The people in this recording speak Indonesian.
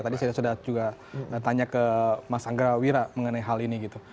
tadi saya sudah juga tanya ke mas anggra wira mengenai hal ini gitu